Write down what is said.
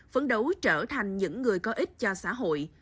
phấn đấu trở thành những người có ích cho xã hội